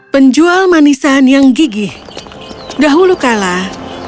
penjual manisan yang gigih dahulu kalah